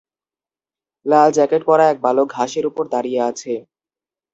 লাল jacket পরা এক বালক ঘাসের উপর দাঁড়িয়ে আছে।